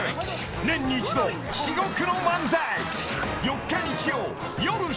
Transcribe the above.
［年に一度至極の漫才］